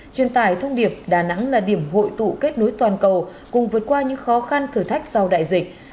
truyền tải thông điệp đà nẵng là điểm hội tụ kết nối toàn cầu cùng vượt qua những khó khăn thử thách sau đại dịch